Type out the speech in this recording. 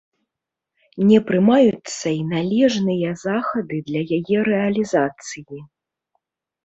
Не прымаюцца і належныя захады для яе рэалізацыі.